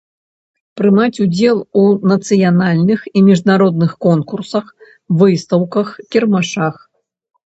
Прымаць удзел у нацыянальных i мiжнародных конкурсах, выстаўках, кiрмашах.